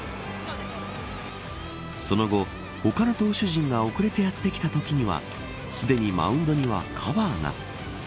その後、他の投手陣が遅れてやってきたときにはすでにマウンドにはカバーが。